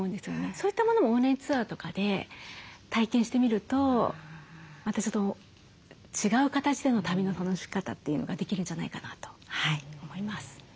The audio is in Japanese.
そういったものもオンラインツアーとかで体験してみるとまたちょっと違う形での旅の楽しみ方というのができるんじゃないかなと思います。